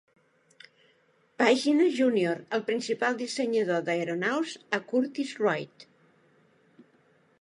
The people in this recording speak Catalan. Pàgina Junior el principal dissenyador d'aeronaus a Curtiss-Wright.